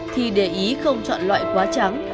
thì để ý không chọn loại quá trắng